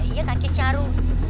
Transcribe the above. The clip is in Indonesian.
iya kakek sarung